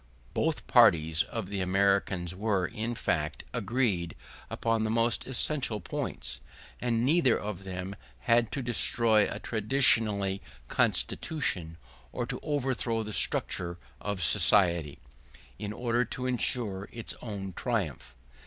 Both parties of the Americans were, in fact, agreed upon the most essential points; and neither of them had to destroy a traditionary constitution, or to overthrow the structure of society, in order to ensure its own triumph.